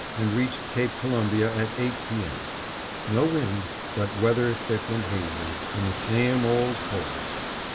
and reached Cape Columbia at eight P. M. No wind, but weather thick and hazy, and the same old cold.